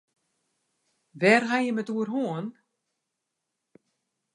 Wêr ha jim it oer hân?